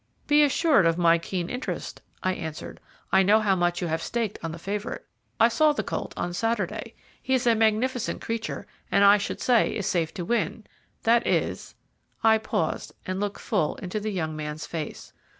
"Be assured of my keen interest," I answered. "I know how much you have staked on the favourite. I saw the colt on Saturday. He is a magnificent creature, and I should say is safe to win, that is " I paused, and looked full into the young man's face.